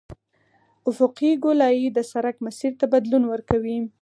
افقي ګولایي د سرک مسیر ته بدلون ورکوي